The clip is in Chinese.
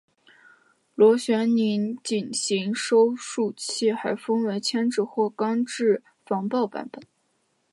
螺旋拧紧型收束器还分为铅制或钢制防爆版本。